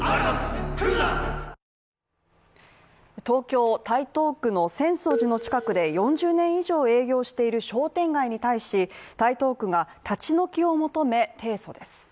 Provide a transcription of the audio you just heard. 東京・台東区の浅草寺の近くで４０年以上営業している商店街に対し、台東区が立ち退きを求め提訴です。